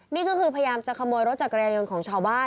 นี่ก็คือพยายามจะขโมยรถจักรยานยนต์ของชาวบ้าน